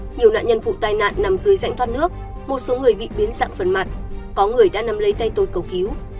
nhiều nạn nhân vụ tai nạn nằm dưới dạng thoát nước một số người bị biến dạng phần mặt có người đã nắm lấy tay tôi cầu cứu